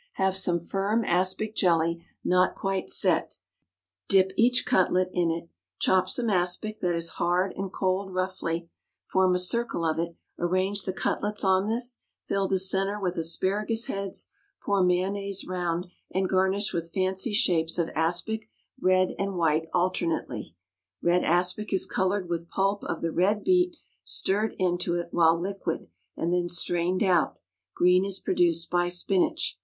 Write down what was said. Have some firm aspic jelly not quite set; dip each cutlet in it; chop some aspic that is hard and cold roughly; form a circle of it; arrange the cutlets on this; fill the centre with asparagus heads; pour mayonnaise round, and garnish with fancy shapes of aspic, red and white alternately. Red aspic is colored with pulp of the red beet stirred into it while liquid and then strained out; green is produced by spinach.